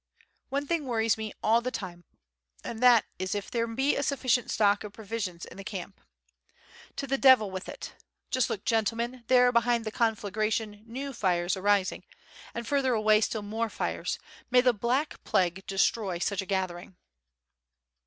One thing worries me all the time and that is if there be a sufficient stock of provisions in the camp. To the devil with it! just look, gentlemen, there behind the conflagration new fires arising, and further away still more fires, may the black plague destroy such a gathering."